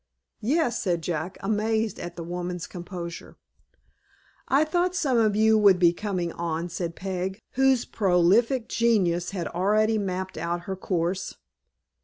"Yes," said Jack, amazed at the woman's composure. "I thought some of you would be coming on," said Peg, whose prolific genius had already mapped out her course.